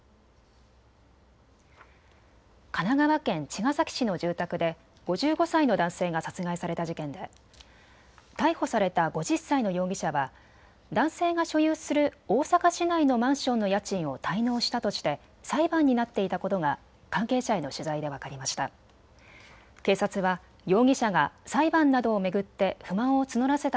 神奈川県茅ヶ崎市の住宅で５５歳の男性が殺害された事件で逮捕された５０歳の容疑者は男性が所有する大阪市内のマンションの家賃を滞納したとして裁判になっていたことが関係者への取材で分かりました。